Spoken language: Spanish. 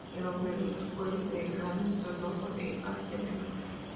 El obelisco es de granito rojo de Asia Menor.